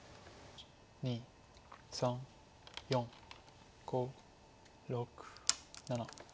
２３４５６７。